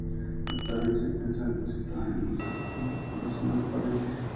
Actualmente se encuentra depositado en el Museo Arqueológico Provincial de Palencia.